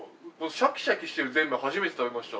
シャキシャキしてるゼンマイ初めて食べました。